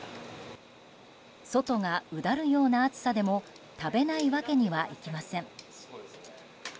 外がうだるような暑さでも食べないわけにはいきません。